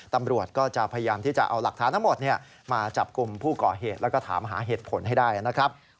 ตำรวจก็จะพยายามที่จะเอาหลักฐานทั้งหมดมาจับกลุ่มผู้ก่อเหตุแล้วก็ถามหาเหตุผลให้ได้นะครับ